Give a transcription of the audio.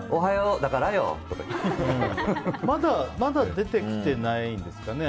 まだ出てきてないんですかね。